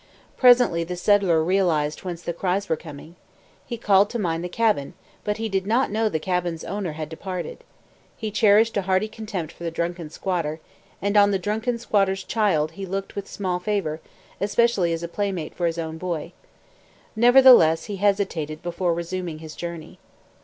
Presently the settler realized whence the cries were coming. He called to mind the cabin; but he did not know the cabin's owner had departed. He cherished a hearty contempt for the drunken squatter; and on the drunken squatter's child he looked with small favour, especially as a playmate for his own boy. Nevertheless he hesitated before resuming his journey.